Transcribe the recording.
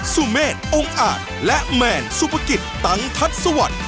เมฆองค์อาจและแมนสุภกิจตังทัศน์สวัสดิ์